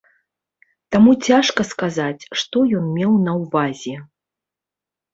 Таму цяжка сказаць, што ён меў на ўвазе.